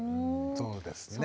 そうですね。